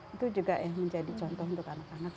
itu juga ya menjadi contoh untuk anak anak